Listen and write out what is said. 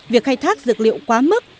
việc khai thác dược liệu quá mức